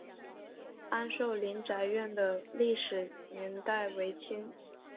安寿林宅院的历史年代为清。